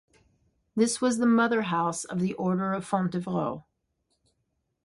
This was the Motherhouse of the Order of Fontevraud.